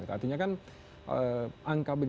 artinya kan angka bencana di sukabumi